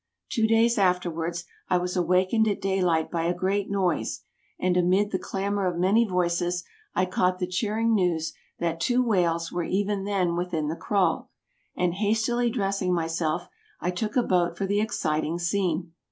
Two days afterwards, I was awakened at daylight by a great noise, and amid the clamor of many voices, I caught the cheering news that two whales were even then within the kraal, and hastily dressing myself, I took a boat for the exciting scene.